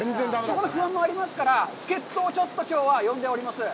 不安もありますから、助っ人をきょうは呼んでおります。